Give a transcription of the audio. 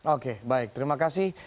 oke baik terima kasih